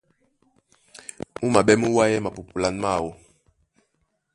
Mú maɓɛ́ mú wayɛ́ mapupulan máō.